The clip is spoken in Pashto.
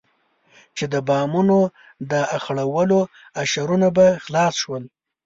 چې د بامونو د اخېړولو اشرونه به خلاص شول.